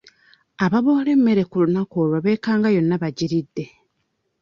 Ababoola emmere ku lunaku olwo beekanga yonna bagiridde.